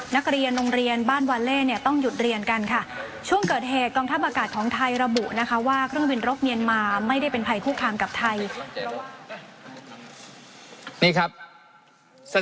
นักเรียนโรงเรียนบ้านวาเล่เนี่ยต้องหยุดเรียนกันค่ะช่วงเกิดเหตุกองทัพอากาศของไทยระบุนะคะว่าเครื่องบินรบเมียนมาไม่ได้เป็นภัยคู่คางกับไทย